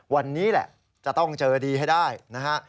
วันนี้แหละจะต้องเจอดีให้ได้นะฮะ